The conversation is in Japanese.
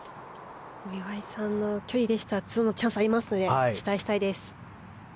岩井さんの距離でしたらチャンスはありますので期待したいです。